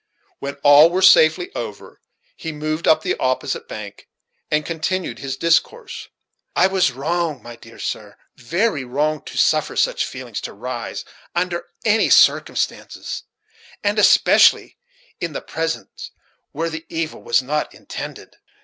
When all were safely over, he moved up the opposite bank, and continued his discourse. "It was wrong, my dear sir, very wrong, to suffer such feelings to rise, under any circumstances, and especially in the present, where the evil was not intended."